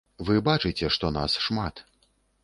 Вы бачыце, што нас шмат.